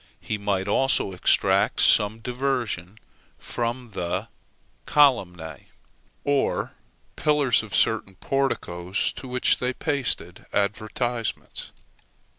He might also extract some diversion from the columnæ, or pillars of certain porticoes to which they pasted advertisements.